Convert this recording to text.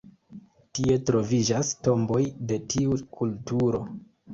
Tie troviĝas tomboj de tiu kulturo.